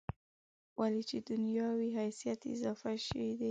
ولې چې دنیا وي حیثیت اضافي شی دی.